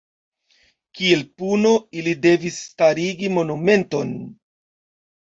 Kiel puno ili devis starigi monumenton.